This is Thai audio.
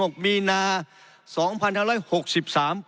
ประกาศสถานการณ์ฉุกเฉินตั้งแต่วันที่๒๖๓